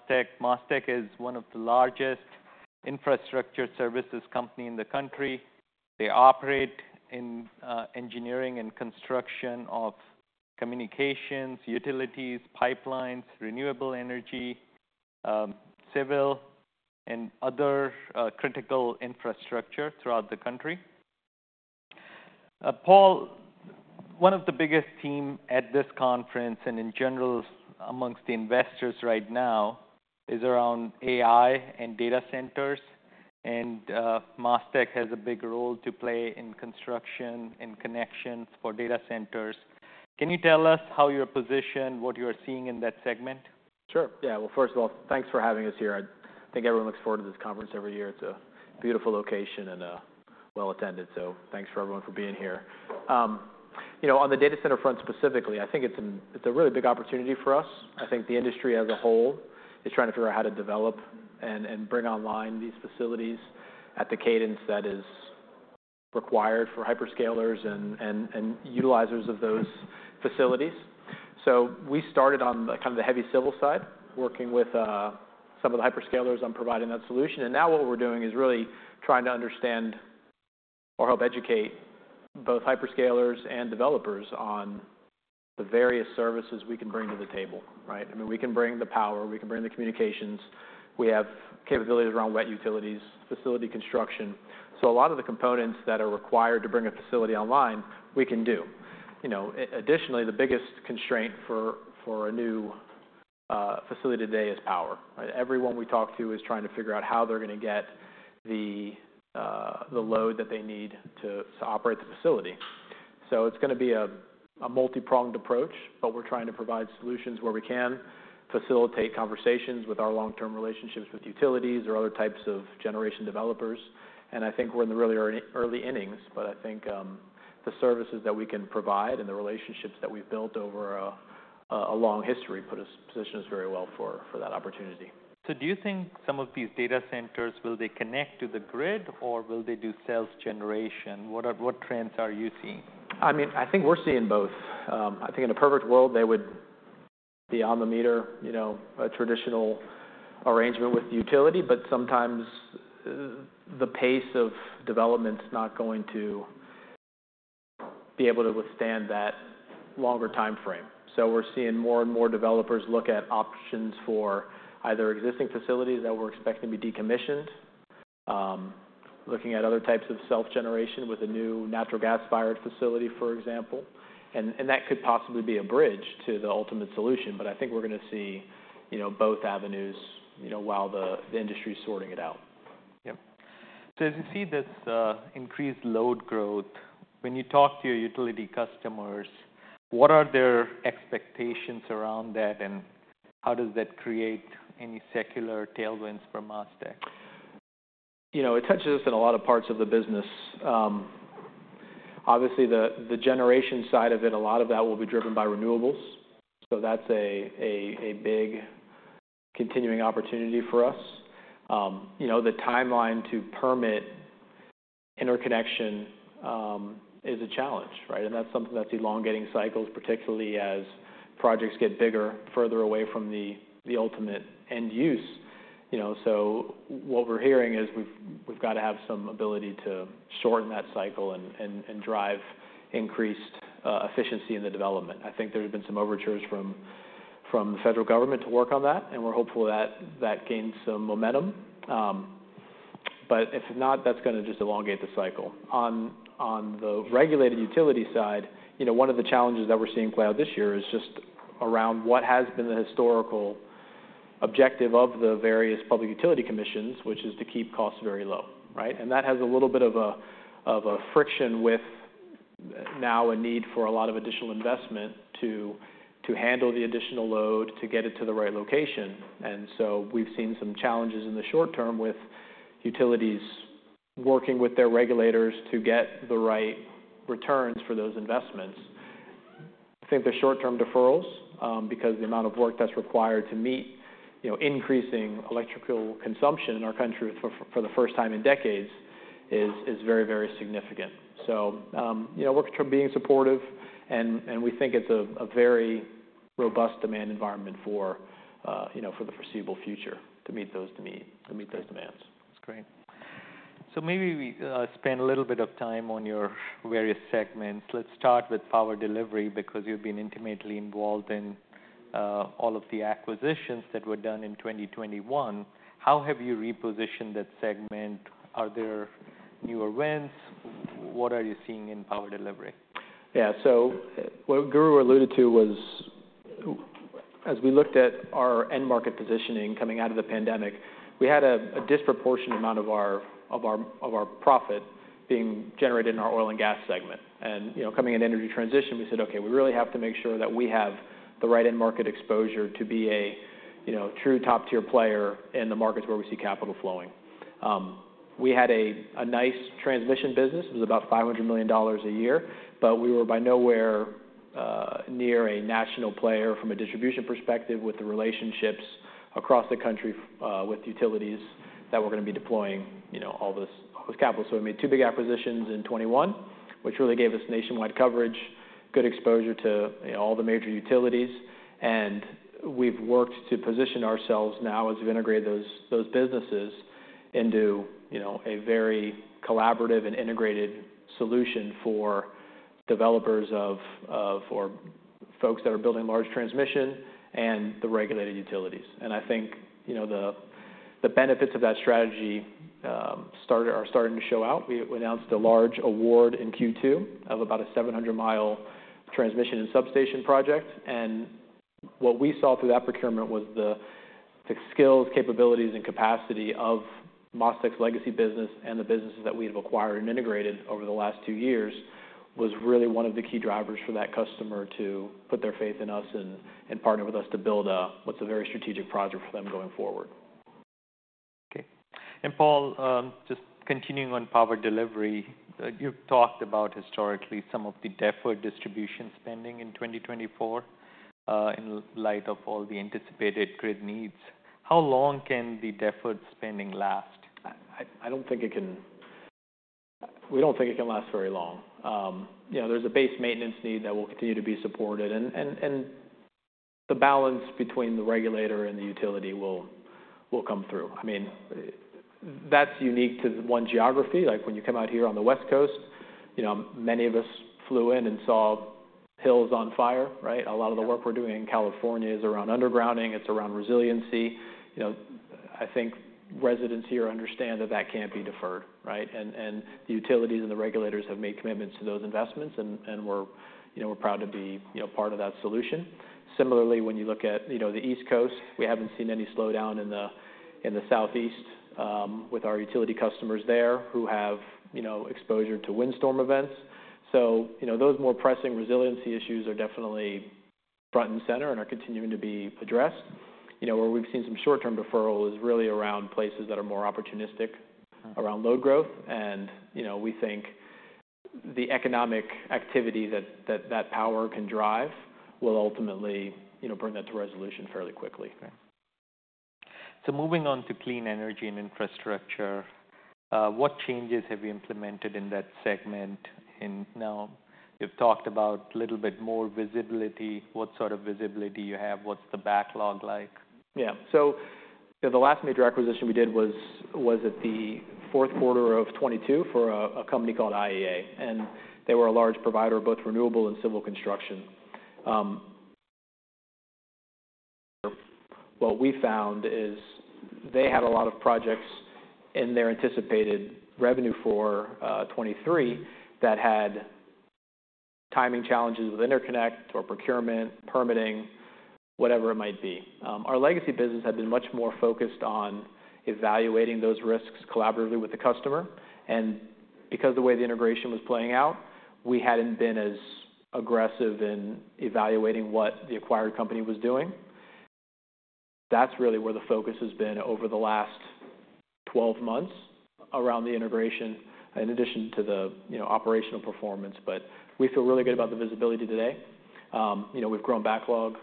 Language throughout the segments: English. MasTech. MasTech is one of the largest infrastructure services company in the country. They operate in engineering and construction of communications, utilities, pipelines, renewable energy, civil and other critical infrastructure throughout the country. Paul, one of the biggest theme at this conference, and in general, amongst the investors right now, is around AI and data centers, and MasTec has a big role to play in construction and connections for data centers. Can you tell us how you're positioned, what you are seeing in that segment? Sure. Yeah. Well, first of all, thanks for having us here. I think everyone looks forward to this conference every year. It's a beautiful location and well attended, so thanks for everyone for being here. You know, on the data center front specifically, I think it's a really big opportunity for us. I think the industry as a whole is trying to figure out how to develop and bring online these facilities at the cadence that is required for hyperscalers and utilizers of those facilities. So we started on the kind of heavy civil side, working with some of the hyperscalers on providing that solution. And now what we're doing is really trying to understand or help educate both hyperscalers and developers on the various services we can bring to the table, right? I mean, we can bring the power, we can bring the communications. We have capabilities around wet utilities, facility construction. So a lot of the components that are required to bring a facility online, we can do. You know, additionally, the biggest constraint for a new facility today is power, right? Everyone we talk to is trying to figure out how they're gonna get the load that they need to operate the facility. So it's gonna be a multi-pronged approach, but we're trying to provide solutions where we can, facilitate conversations with our long-term relationships with utilities or other types of generation developers, and I think we're in the really early innings. But I think, the services that we can provide and the relationships that we've built over a long history positions us very well for that opportunity. So do you think some of these data centers will connect to the grid, or will they do self generation? What are... What trends are you seeing? I mean, I think we're seeing both. I think in a perfect world, they would be on the meter, you know, a traditional arrangement with the utility, but sometimes the pace of development's not going to be able to withstand that longer timeframe. So we're seeing more and more developers look at options for either existing facilities that were expected to be decommissioned, looking at other types of self-generation with a new natural gas-fired facility, for example, and that could possibly be a bridge to the ultimate solution, but I think we're gonna see, you know, both avenues, you know, while the industry is sorting it out. Yep. So as you see this increased load growth, when you talk to your utility customers, what are their expectations around that, and how does that create any secular tailwinds for MasTec? You know, it touches us in a lot of parts of the business. Obviously, the generation side of it, a lot of that will be driven by renewables, so that's a big continuing opportunity for us. You know, the timeline to permit interconnection is a challenge, right? And that's something that's elongating cycles, particularly as projects get bigger, further away from the ultimate end use. You know, so what we're hearing is we've got to have some ability to shorten that cycle and drive increased efficiency in the development. I think there have been some overtures from the federal government to work on that, and we're hopeful that that gains some momentum. But if not, that's gonna just elongate the cycle. On the regulated utility side, you know, one of the challenges that we're seeing play out this year is just around what has been the historical objective of the various public utility commissions, which is to keep costs very low, right? And that has a little bit of a friction with now a need for a lot of additional investment to handle the additional load, to get it to the right location. And so we've seen some challenges in the short term with utilities working with their regulators to get the right returns for those investments. I think the short-term deferrals, because the amount of work that's required to meet, you know, increasing electrical consumption in our country for the first time in decades is very, very significant. You know, we're being supportive, and we think it's a very robust demand environment for, you know, for the foreseeable future to meet those demands. That's great. So maybe we spend a little bit of time on your various segments. Let's start with power delivery, because you've been intimately involved in all of the acquisitions that were done in 2021. How have you repositioned that segment? Are there newer wins? What are you seeing in power delivery? Yeah. So what Guru alluded to was, as we looked at our end market positioning coming out of the pandemic, we had a disproportionate amount of our profit being generated in our oil and gas segment. And, you know, coming into energy transition, we said, "Okay, we really have to make sure that we have the right end market exposure to be a, you know, true top-tier player in the markets where we see capital flowing." We had a nice transmission business. It was about $500 million a year, but we were nowhere near a national player from a distribution perspective, with the relationships across the country with utilities that were gonna be deploying, you know, all this capital. So we made two big acquisitions in 2021, which really gave us nationwide coverage.... Good exposure to, you know, all the major utilities. And we've worked to position ourselves now as we've integrated those businesses into, you know, a very collaborative and integrated solution for developers of for folks that are building large transmission and the regulated utilities. And I think, you know, the benefits of that strategy are starting to show out. We announced a large award in Q2 of about a 700-mile transmission and substation project. And what we saw through that procurement was the skills, capabilities, and capacity of MasTec's legacy business and the businesses that we have acquired and integrated over the last two years was really one of the key drivers for that customer to put their faith in us and partner with us to build what's a very strategic project for them going forward. Okay. And Paul, just continuing on power delivery. You've talked about historically, some of the deferred distribution spending in 2024, in light of all the anticipated grid needs. How long can the deferred spending last? We don't think it can last very long. You know, there's a base maintenance need that will continue to be supported, and the balance between the regulator and the utility will come through. I mean, that's unique to one geography. Like, when you come out here on the West Coast, you know, many of us flew in and saw hills on fire, right? A lot of the work we're doing in California is around undergrounding, it's around resiliency. You know, I think residents here understand that that can't be deferred, right? And the utilities and the regulators have made commitments to those investments, and we're, you know, proud to be, you know, part of that solution. Similarly, when you look at, you know, the East Coast, we haven't seen any slowdown in the Southeast, with our utility customers there, who have, you know, exposure to windstorm events. So you know, those more pressing resiliency issues are definitely front and center and are continuing to be addressed. You know, where we've seen some short-term deferral is really around places that are more opportunistic- Uh-huh. Around load growth, and, you know, we think the economic activity that power can drive will ultimately, you know, bring that to resolution fairly quickly. Okay, so moving on to clean energy and infrastructure, what changes have you implemented in that segment? And now, you've talked about a little bit more visibility. What sort of visibility you have? What's the backlog like? Yeah. So the last major acquisition we did was at the fourth quarter of 2022 for a company called IEA, and they were a large provider of both renewable and civil construction. What we found is they had a lot of projects in their anticipated revenue for 2023 that had timing challenges with interconnection or procurement, permitting, whatever it might be. Our legacy business had been much more focused on evaluating those risks collaboratively with the customer, and because the way the integration was playing out, we hadn't been as aggressive in evaluating what the acquired company was doing. That's really where the focus has been over the last twelve months, around the integration, in addition to the you know, operational performance. But we feel really good about the visibility today. You know, we've grown backlog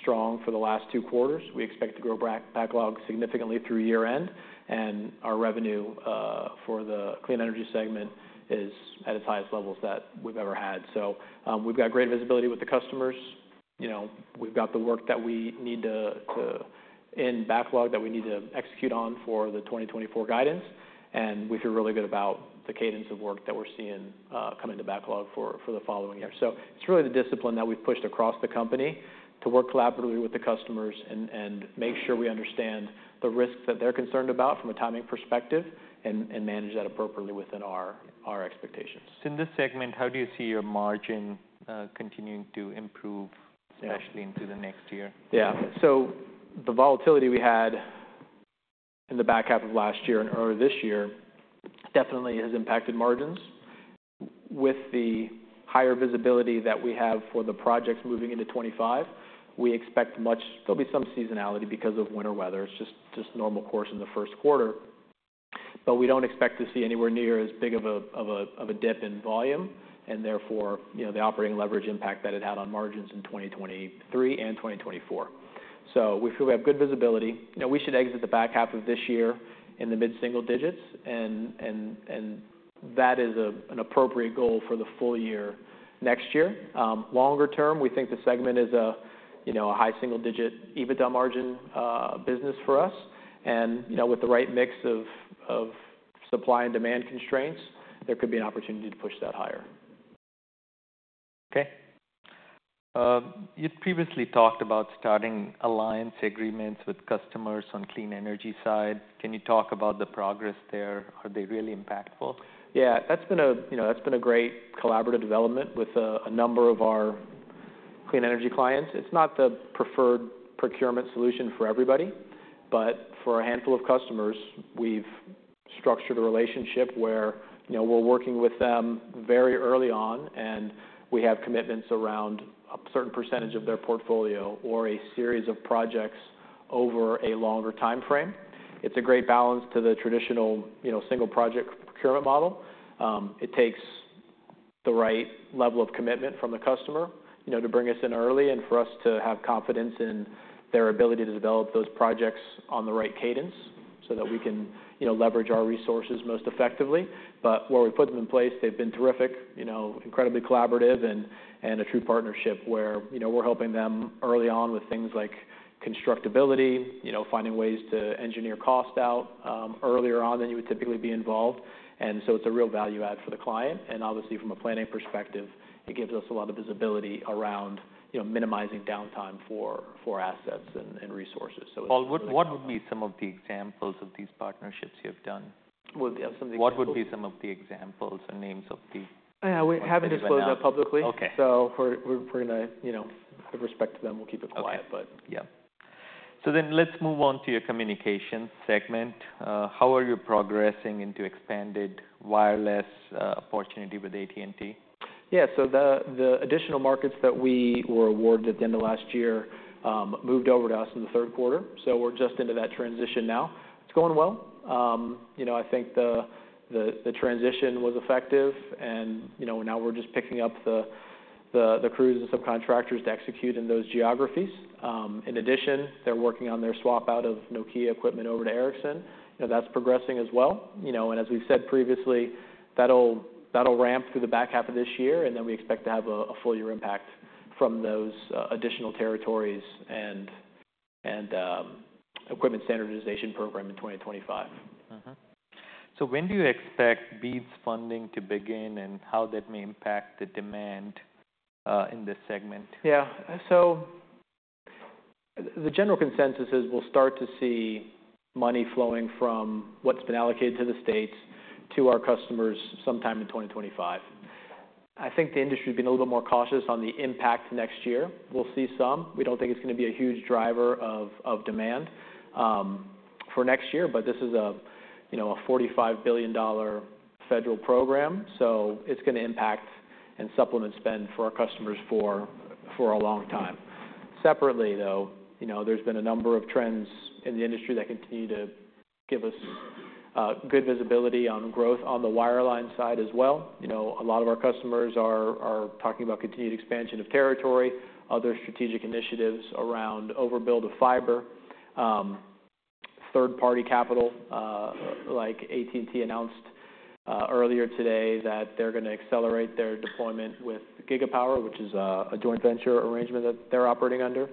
strong for the last two quarters. We expect to grow backlog significantly through year-end, and our revenue for the clean energy segment is at its highest levels that we've ever had, so we've got great visibility with the customers. You know, we've got the work that we need to in backlog that we need to execute on for the twenty twenty-four guidance, and we feel really good about the cadence of work that we're seeing coming to backlog for the following year, so it's really the discipline that we've pushed across the company to work collaboratively with the customers and make sure we understand the risks that they're concerned about from a timing perspective, and manage that appropriately within our expectations. So in this segment, how do you see your margin continuing to improve? Yeah especially into the next year? Yeah, so the volatility we had in the back half of last year and earlier this year definitely has impacted margins. With the higher visibility that we have for the projects moving into twenty twenty-five, we expect there'll be some seasonality because of winter weather. It's just normal course in the first quarter. But we don't expect to see anywhere near as big of a dip in volume, and therefore, you know, the operating leverage impact that it had on margins in twenty twenty-three and twenty twenty-four, so we feel we have good visibility. You know, we should exit the back half of this year in the mid-single digits, and that is an appropriate goal for the full year next year. Longer term, we think the segment is, you know, a high single-digit EBITDA margin business for us. You know, with the right mix of supply and demand constraints, there could be an opportunity to push that higher. Okay. You've previously talked about starting alliance agreements with customers on clean energy side. Can you talk about the progress there? Are they really impactful? Yeah, that's been a great collaborative development with a number of our clean energy clients. It's not the preferred procurement solution for everybody, but for a handful of customers, we've structured a relationship where, you know, we're working with them very early on, and we have commitments around a certain percentage of their portfolio or a series of projects over a longer timeframe. It's a great balance to the traditional, you know, single project procurement model. It takes the right level of commitment from the customer, you know, to bring us in early, and for us to have confidence in their ability to develop those projects on the right cadence, so that we can, you know, leverage our resources most effectively. But where we put them in place, they've been terrific, you know, incredibly collaborative and a true partnership where, you know, we're helping them early on with things like constructability, you know, finding ways to engineer cost out earlier on than you would typically be involved. And so it's a real value add for the client. And obviously, from a planning perspective, it gives us a lot of visibility around, you know, minimizing downtime for assets and resources. So- Paul, what would be some of the examples of these partnerships you've done? Yeah, some of the- What would be some of the examples or names of the- Yeah, we haven't disclosed that publicly. Okay. We're gonna, you know, with respect to them, we'll keep it quiet. Okay. But... Yeah. So then let's move on to your communications segment. How are you progressing into expanded wireless opportunity with AT&T? Yeah, so the additional markets that we were awarded at the end of last year moved over to us in the third quarter, so we're just into that transition now. It's going well. You know, I think the transition was effective and, you know, now we're just picking up the crews and subcontractors to execute in those geographies. In addition, they're working on their swap-out of Nokia equipment over to Ericsson, and that's progressing as well. You know, and as we've said previously, that'll ramp through the back half of this year, and then we expect to have a full year impact from those additional territories and equipment standardization program in 2025. Mm-hmm. So when do you expect BEAD's funding to begin, and how that may impact the demand in this segment? Yeah. So the general consensus is we'll start to see money flowing from what's been allocated to the states, to our customers sometime in twenty twenty-five. I think the industry has been a little bit more cautious on the impact next year. We'll see some. We don't think it's gonna be a huge driver of demand for next year, but this is a, you know, a $45 billion federal program, so it's gonna impact and supplement spend for our customers for a long time. Separately, though, you know, there's been a number of trends in the industry that continue to give us good visibility on growth on the wireline side as well. You know, a lot of our customers are talking about continued expansion of territory, other strategic initiatives around overbuild of fiber. Third-party capital, like AT&T announced earlier today, that they're gonna accelerate their deployment with Gigapower, which is a joint venture arrangement that they're operating under.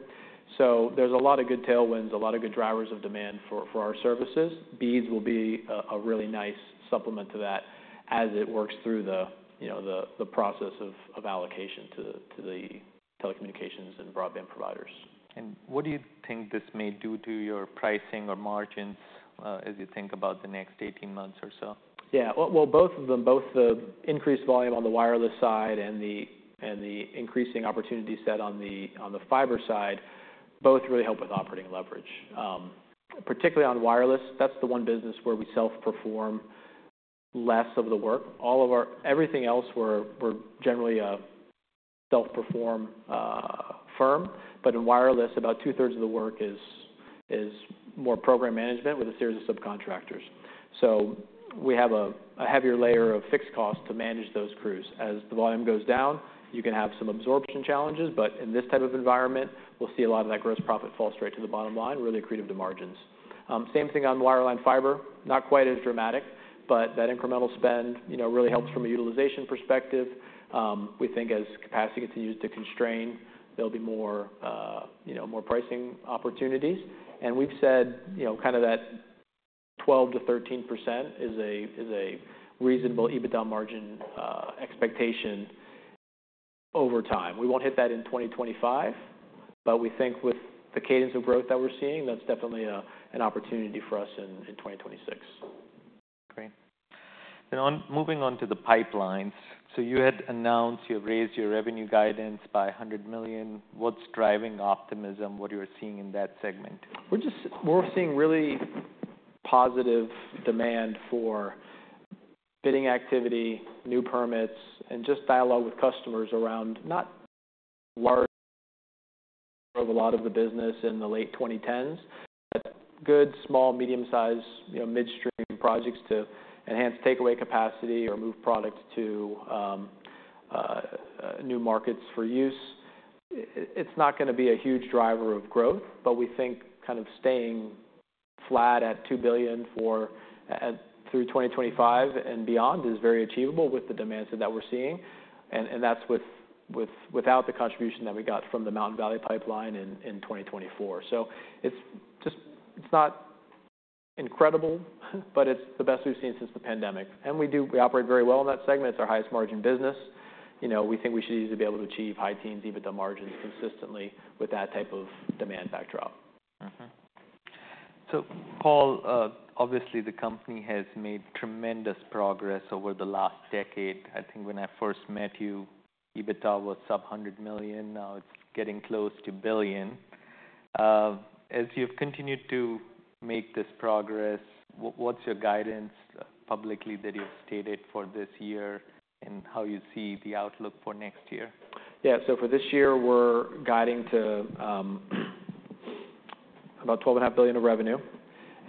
So there's a lot of good tailwinds, a lot of good drivers of demand for our services. BEADs will be a really nice supplement to that as it works through the, you know, the process of allocation to the telecommunications and broadband providers. What do you think this may do to your pricing or margins, as you think about the next eighteen months or so? Yeah. Well, both of them, both the increased volume on the wireless side and the increasing opportunity set on the fiber side, both really help with operating leverage. Particularly on wireless, that's the one business where we self-perform less of the work. All of our everything else, we're generally a self-perform firm. But in wireless, about two-thirds of the work is more program management with a series of subcontractors. So we have a heavier layer of fixed costs to manage those crews. As the volume goes down, you can have some absorption challenges, but in this type of environment, we'll see a lot of that gross profit fall straight to the bottom line, really accretive to margins. Same thing on wireline fiber. Not quite as dramatic, but that incremental spend, you know, really helps from a utilization perspective. We think as capacity continues to constrain, there'll be more, you know, more pricing opportunities. We've said, you know, kind of that 12-13% is a reasonable EBITDA margin expectation over time. We won't hit that in 2025, but we think with the cadence of growth that we're seeing, that's definitely an opportunity for us in 2026. Great. Moving on to the pipelines. So you had announced you raised your revenue guidance by $100 million. What's driving optimism? What you're seeing in that segment? We're seeing really positive demand for bidding activity, new permits, and just dialogue with customers around not a lot of the business in the late 2010s. But good, small, medium-size, you know, midstream projects to enhance takeaway capacity or move products to new markets for use. It's not gonna be a huge driver of growth, but we think kind of staying flat at $2 billion for through 2025 and beyond is very achievable with the demands that we're seeing, and that's with without the contribution that we got from the Mountain Valley Pipeline in 2024. So it's just it's not incredible, but it's the best we've seen since the pandemic. And we operate very well in that segment. It's our highest margin business. You know, we think we should easily be able to achieve high teens EBITDA margins consistently with that type of demand backdrop. So Paul, obviously, the company has made tremendous progress over the last decade. I think when I first met you, EBITDA was sub hundred million, now it's getting close to billion. As you've continued to make this progress, what's your guidance publicly that you've stated for this year, and how you see the outlook for next year? Yeah. So for this year, we're guiding to about $12.5 billion of revenue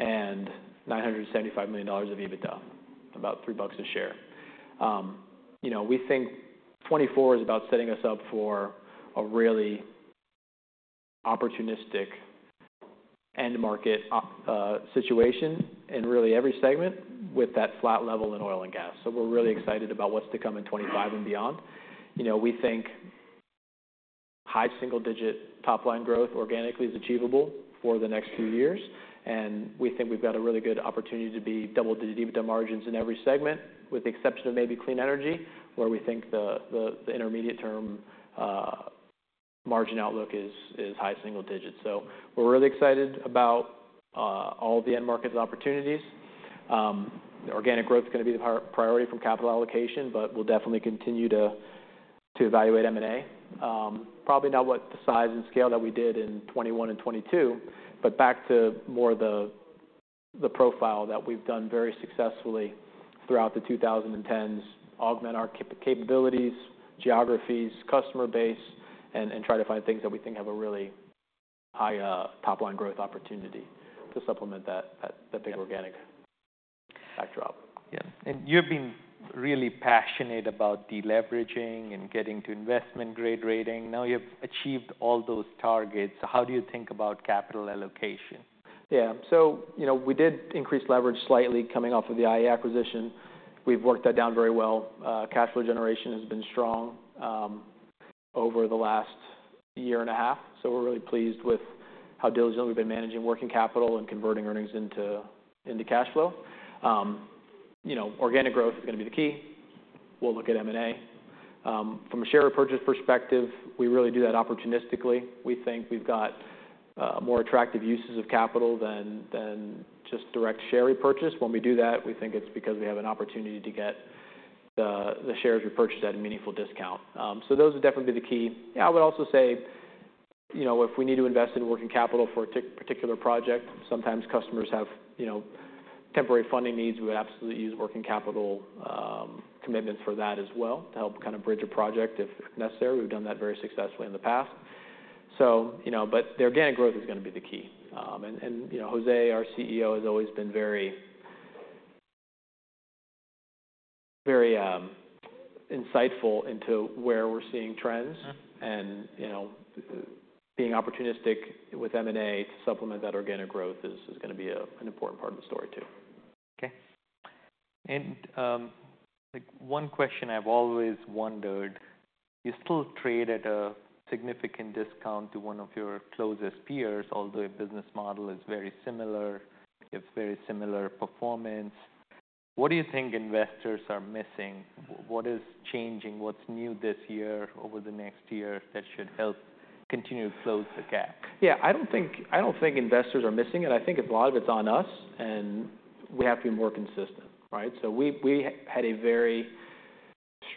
and $975 million of EBITDA, about $3 a share. You know, we think 2024 is about setting us up for a really opportunistic end market situation in really every segment with that flat level in oil and gas. So we're really excited about what's to come in 2025 and beyond. You know, we think high single-digit top-line growth organically is achievable for the next few years, and we think we've got a really good opportunity to be double-digit EBITDA margins in every segment, with the exception of maybe clean energy, where we think the intermediate-term margin outlook is high single digits. So we're really excited about all the end markets opportunities. Organic growth is gonna be the priority for capital allocation, but we'll definitely continue to evaluate M&A. Probably not of the size and scale that we did in 2021 and 2022, but back to more of the profile that we've done very successfully throughout the 2010s, augment our capabilities, geographies, customer base, and try to find things that we think have a really high top-line growth opportunity to supplement that the big organic backdrop. Yeah. And you've been really passionate about deleveraging and getting to investment-grade rating. Now you've achieved all those targets, so how do you think about capital allocation? Yeah, so you know, we did increase leverage slightly coming off of the IE acquisition. We've worked that down very well. Cash flow generation has been strong over the last year and a half, so we're really pleased with how diligently we've been managing working capital and converting earnings into cash flow. You know, organic growth is gonna be the key. We'll look at M&A. From a share purchase perspective, we really do that opportunistically. We think we've got more attractive uses of capital than just direct share repurchase. When we do that, we think it's because we have an opportunity to get the shares repurchased at a meaningful discount. So those will definitely be the key. Yeah, I would also say, you know, if we need to invest in working capital for a particular project, sometimes customers have, you know, temporary funding needs. We would absolutely use working capital commitments for that as well, to help kind of bridge a project if necessary. We've done that very successfully in the past. So, you know, but the organic growth is gonna be the key. And, you know, José, our CEO, has always been very, very insightful into where we're seeing trends. Uh-huh. You know, being opportunistic with M&A to supplement that organic growth is gonna be an important part of the story, too. Okay. And, like, one question I've always wondered: You still trade at a significant discount to one of your closest peers, although your business model is very similar, you have very similar performance. What do you think investors are missing? What is changing? What's new this year, over the next year, that should help continue to close the gap? Yeah, I don't think, I don't think investors are missing it. I think a lot of it's on us, and we have to be more consistent, right? So we've had a very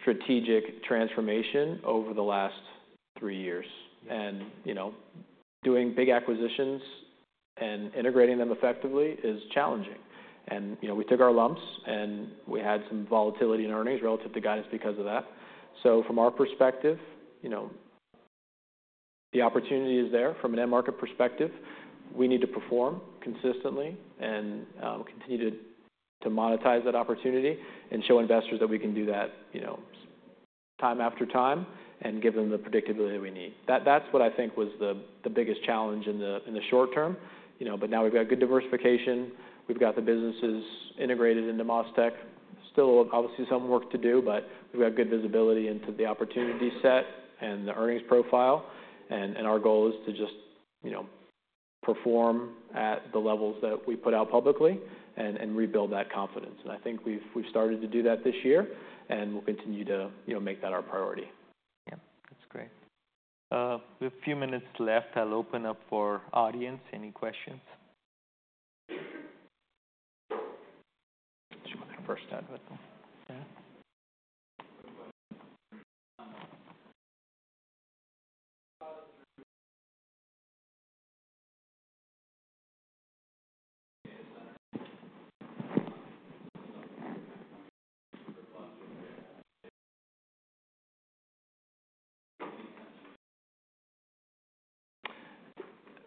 strategic transformation over the last three years, and, you know, doing big acquisitions and integrating them effectively is challenging. And, you know, we took our lumps, and we had some volatility in earnings relative to guidance because of that. So from our perspective, you know, the opportunity is there from an end market perspective. We need to perform consistently and continue to monetize that opportunity and show investors that we can do that, you know, time after time and give them the predictability we need. That's what I think was the biggest challenge in the short term. You know, but now we've got good diversification. We've got the businesses integrated into MasTec. Still, obviously some work to do, but we've got good visibility into the opportunity set and the earnings profile, and our goal is to just, you know, perform at the levels that we put out publicly and rebuild that confidence, and I think we've started to do that this year, and we'll continue to, you know, make that our priority. Yeah, that's great. We have a few minutes left. I'll open up for audience. Any questions? Do you want to first start with them?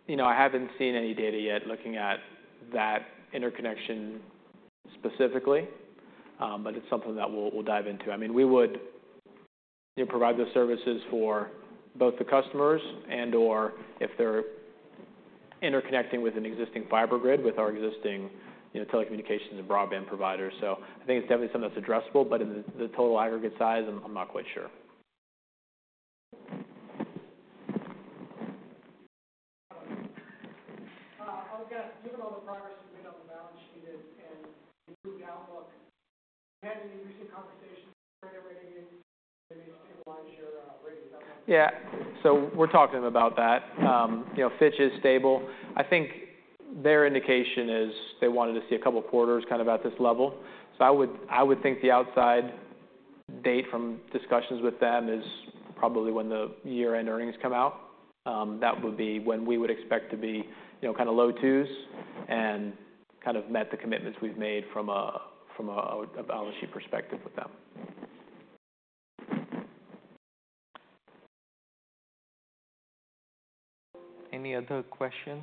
Yeah. You know, I haven't seen any data yet looking at that interconnection specifically, but it's something that we'll dive into. I mean, we would provide those services for both the customers and/or if they're interconnecting with an existing fiber grid, with our existing, you know, telecommunications and broadband providers. So I think it's definitely something that's addressable, but in the total aggregate size, I'm not quite sure. Given all the progress you've made on the balance sheet and improved outlook, have you had any recent conversations with your rating agencies to utilize your rating on that? Yeah. So we're talking to them about that. You know, Fitch is stable. I think their indication is they wanted to see a couple quarters kind of at this level. So I would think the outside date from discussions with them is probably when the year-end earnings come out. That would be when we would expect to be, you know, kind of low twos and kind of met the commitments we've made from a balance sheet perspective with them. Any other questions?